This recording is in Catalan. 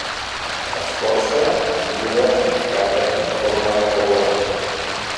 L'escorça es muda en escates de forma irregular.